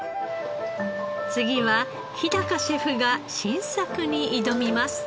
次は日シェフが新作に挑みます。